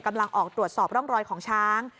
กำลังออกตรวจสอบร่องรอยของช้าง